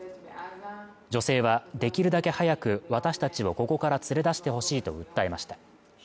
女性はできるだけ早く私たちをここから連れ出してほしいと訴えました